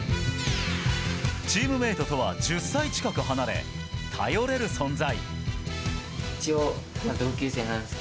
チームメートとは１０歳近く離れ頼れる存在。